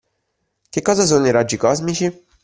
Che cosa sono i raggi cosmici?